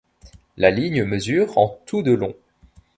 La ligne mesure en tout de long.